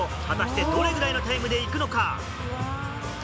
果たしてどれぐらいのタイムで行くのか？